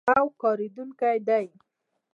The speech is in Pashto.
او کارېدونکی دی.